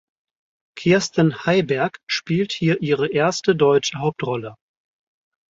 Kirsten Heiberg spielt hier ihre erste deutsche Hauptrolle.